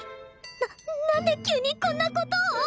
ななんで急にこんな事を！？